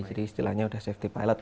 jadi istilahnya sudah safety pilot